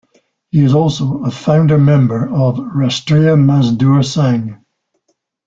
He is also founder member of Rashtriya Mazdoor Sangh.